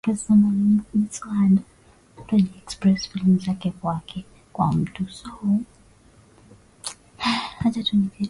Inadaiwa kwamba kwa kuwa Kiswahili kilianza pwani kwa kuwa idadi kubwa sana ya wenyeji